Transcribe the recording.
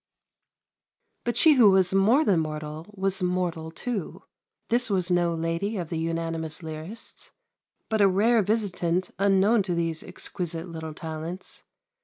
But she who was more than mortal was mortal too. This was no lady of the unanimous lyrists, but a rare visitant unknown to these exquisite little talents.